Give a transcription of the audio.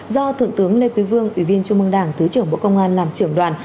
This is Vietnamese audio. do thượng tướng lê quý vương ủy viên trung mương đảng thứ trưởng bộ công an làm trưởng đoàn